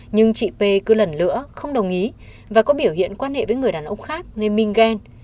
nhưng chị p cứ lần nữa không đồng ý và có biểu hiện quan hệ với người đàn ông khác nên minh ghen